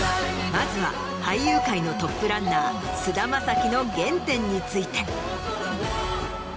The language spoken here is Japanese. まずは俳優界のトップランナー菅田将暉の原点について。